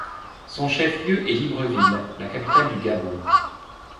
Son chef-lieu est Libreville, la capitale du Gabon.